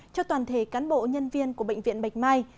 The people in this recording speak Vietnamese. cho toàn thể cán bộ nhân viên của bệnh viện bạch mai